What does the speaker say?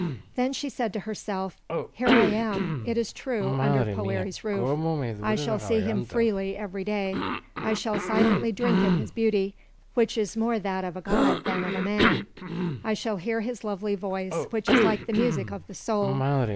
Then she said to herself: "Here I am, it is true, under Poëri's roof; I shall see him freely every day; I shall silently drink in his beauty, which is more that of a god than of a man; I shall hear his lovely voice, which is like the music of the soul.